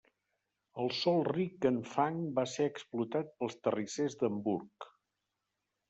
El sol ric en fang va ser explotat pels terrissers d'Hamburg.